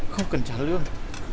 không cần trả lương